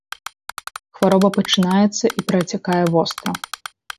Хвароба пачынаецца і працякае востра.